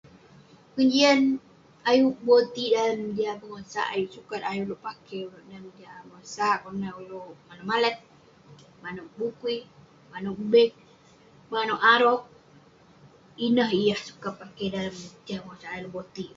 Pengejian ayuk botik dalem jah bengosak, ayuk sukat ayuk ulouk pakey dalem jah masa..konak ulouk manouk malat, manouk bukui, manouk bag, manouk arok..ineh yah sukat dalem jah bengosak ayuk neh botik